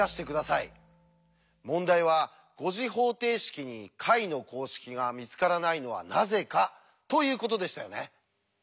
問題は５次方程式に解の公式が見つからないのはなぜかということでしたよね。